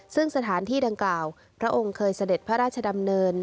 ซึ่งสถานที่ดังกล่าวพระองค์เคยเสด็จพระราชดำเนิน